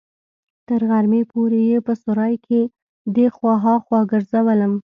تر غرمې پورې يې په سراى کښې دې خوا ها خوا ګرځولم.